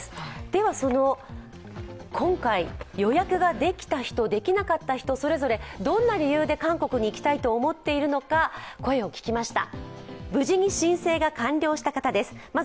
ではその今回予約ができた人、できなかった人、それぞれどんな理由で韓国に行きたいと思っているのか声を聞きました。